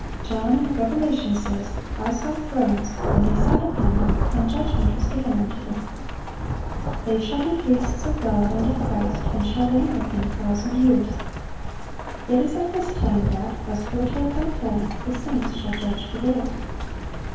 John in the Revelation says: "I saw thrones, and they sat upon them, and judgment was given unto them." "They shall be priests of God and of Christ, and shall reign with Him a thousand years."(1151) It is at this time that, as foretold by Paul, "the saints shall judge the world."